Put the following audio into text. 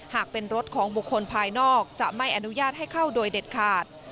หากเป็นรถของบุคคลภายนอกจะไม่อนุญาตให้เข้าโดยเด็ดขาด